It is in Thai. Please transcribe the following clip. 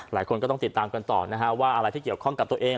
หลายคนก็ต้องติดตามกันต่อนะฮะว่าอะไรที่เกี่ยวข้องกับตัวเอง